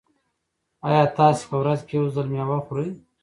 ایا تاسي په ورځ کې یو ځل مېوه خورئ؟